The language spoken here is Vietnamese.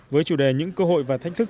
với chủ đề những cơ hội và thách thức